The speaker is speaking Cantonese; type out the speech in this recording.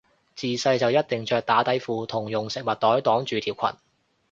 自細就一定着打底褲同用食物袋擋住條裙